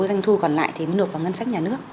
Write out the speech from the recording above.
doanh thu còn lại thì mới nộp vào ngân sách nhà nước